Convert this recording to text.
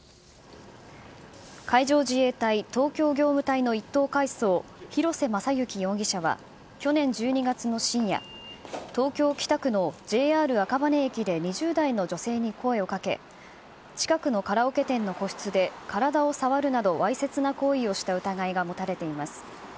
海上自衛隊東京業務隊の１等海曹、広瀬正行容疑者は、去年１２月の深夜、東京・北区のＪＲ赤羽駅で２０代の女性に声をかけ、近くのカラオケ店の個室で体を触るなどわいせつな行為をした疑いが持たれています。